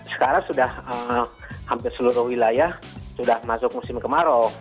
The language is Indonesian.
sekarang sudah hampir seluruh wilayah sudah masuk musim kemarau